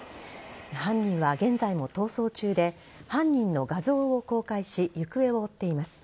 犯人は現在も逃走中で犯人の画像を公開し行方を追っています。